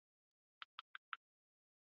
د مورخينو پلويان ډېر سرزوري دي.